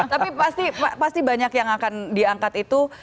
tapi pasti banyak yang akan diangkat itu